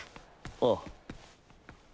ああ。